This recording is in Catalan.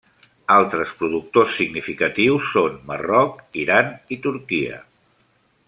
Altres productors significatius són Marroc, Iran i Turquia.